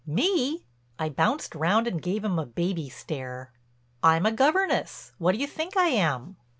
"Me?" I bounced round and gave him a baby stare. "I'm a governess. What do you think I am?"